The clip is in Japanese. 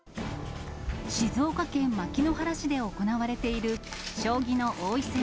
静岡県牧之原市で行われている将棋の王位戦